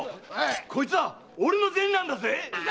これは俺の銭なんだぜ！